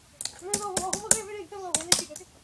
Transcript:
Epuka kugusana na makundi yaliyoathirika